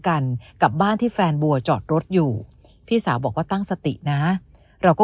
กันกับบ้านที่แฟนบัวจอดรถอยู่พี่สาวบอกว่าตั้งสตินะเราก็